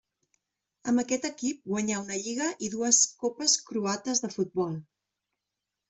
Amb aquest equip guanyà una lliga i dues copes croates de futbol.